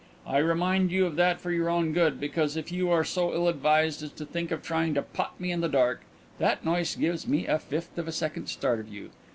I remind you of that for your own good, because if you are so ill advised as to think of trying to pot me in the dark, that noise gives me a fifth of a second start of you.